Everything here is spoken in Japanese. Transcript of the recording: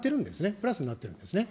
プラスになっているんですね。